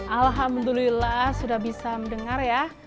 alhamdulillah sudah bisa mendengar ya